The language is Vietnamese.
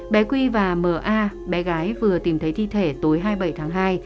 bé quy và m a bé gái vừa tìm thấy thi thể tối hai mươi bảy tháng hai